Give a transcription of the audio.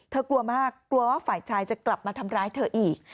กลัวมากกลัวว่าฝ่ายชายจะกลับมาทำร้ายเธออีก